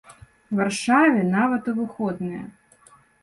Варшаве нават у выходныя!